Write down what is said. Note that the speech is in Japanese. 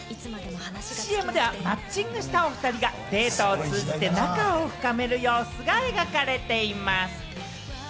ＣＭでは、マッチングした２人がデートを通じて仲を深める様子が描かれています。